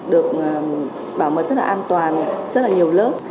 được bảo mật rất là an toàn rất là nhiều lớp